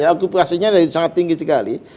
akupasinya sangat tinggi sekali